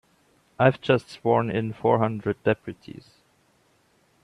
I've just sworn in four hundred deputies.